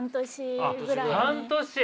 半年！？